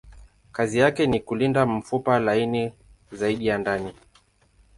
Kazi yake ni kulinda mfupa laini zaidi ya ndani.